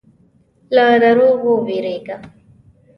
له دروغو وېرېږه.